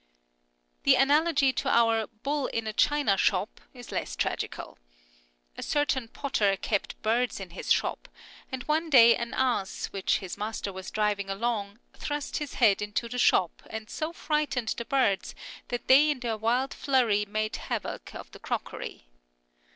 The analogy to our " Bull in a china shop " is less tragical. A certain potter kept birds in his shop, and one day an ass, which his master was driving along, thrust his head into the shop and so frightened the birds that they in their wild flurry made havoc of the crockery.